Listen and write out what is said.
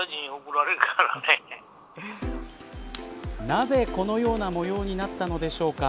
なぜ、このような模様になったのでしょうか。